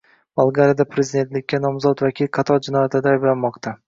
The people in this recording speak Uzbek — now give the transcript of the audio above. Bolgariyada prezidentlikka nomzod vakil qator jinoyatlarda ayblanmoqdang